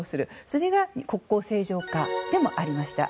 それが国交正常化でもありました。